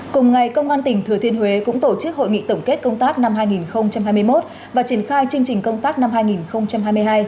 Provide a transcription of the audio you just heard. cùng ngày công an tỉnh thừa thiên huế cũng tổ chức hội nghị tổng kết công tác năm hai nghìn hai mươi một và triển khai chương trình công tác năm hai nghìn hai mươi hai